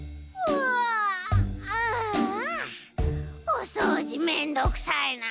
おそうじめんどくさいな。